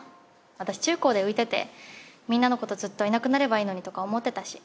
私中高で浮いててみんなのことずっといなくなればいいのにとか思ってたし。